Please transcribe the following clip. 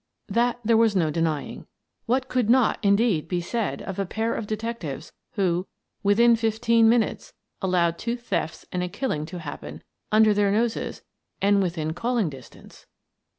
That there was no denying. What could not, indeed, be said of a pair of detectives who, within fifteen minutes, allowed two thefts and a killing to A Mysterious Disappearance 53 happen under their noses and within calling dis tance?